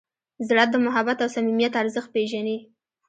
زړه د محبت او صمیمیت ارزښت پېژني.